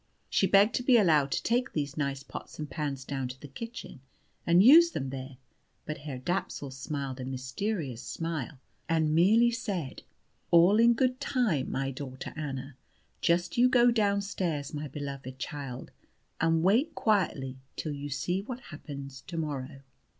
She begged to be allowed to take these nice pots and pans down to the kitchen, and use them there. But Herr Dapsul smiled a mysterious smile, and merely said: "All in good time, my daughter Anna. Just you go downstairs, my beloved child, and wait quietly till you see what happens to morrow."